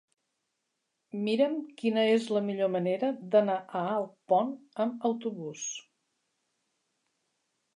Mira'm quina és la millor manera d'anar a Alpont amb autobús.